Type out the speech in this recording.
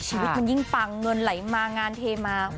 ชีวิตมันยิ่งปังเงินไหลมางานเทมา